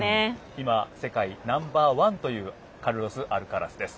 今世界ナンバーワンというカルロス・アルカラスです。